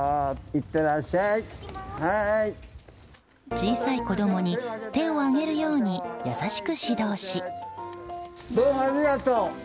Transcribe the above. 小さい子供に手を挙げるように優しく指導し。